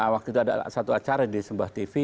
waktu itu ada satu acara di sebuah tv